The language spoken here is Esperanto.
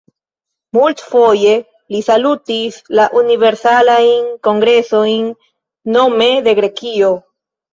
Multfoje li salutis la Universalajn Kongresojn nome de Grekio.